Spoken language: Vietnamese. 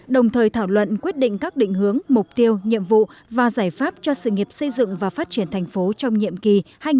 đồng thời thảo luận quyết định các định hướng mục tiêu nhiệm vụ và giải pháp cho sự nghiệp xây dựng và phát triển thành phố trong nhiệm kỳ hai nghìn hai mươi hai nghìn hai mươi năm